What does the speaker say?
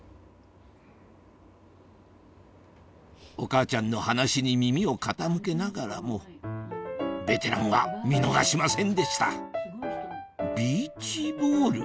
お母ちゃんの話に耳を傾けながらもベテランは見逃しませんでしたビーチボール？